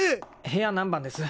部屋何番です？